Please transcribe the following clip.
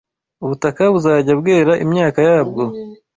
ubutaka buzajya bwera imyaka yabwo